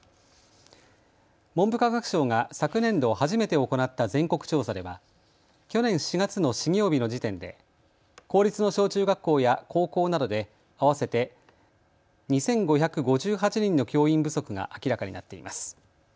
文部科学省が昨年度、初めて行った全国調査では去年４月の始業日の時点で公立の小中学校や高校などで合わせて２５５８人の教員不足が明らかになっています。